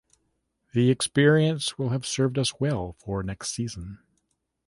The experience will have served us well for next season.